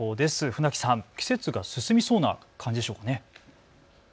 船木さん、季節が進みそうな感じでしょうか。